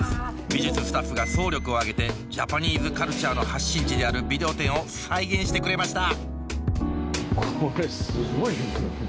美術スタッフが総力を挙げてジャパニーズカルチャーの発信地であるビデオ店を再現してくれました